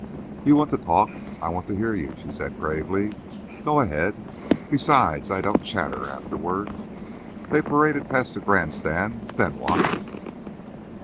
"You want to talk; I want to hear you," she said gravely. "Go ahead. Besides I don't chatter afterward. They paraded past the grand stand, then what?"